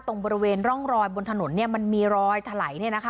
ตรงบริเวณร่องรอยบนถนนเนี่ยมันมีรอยทลายนี่นะคะ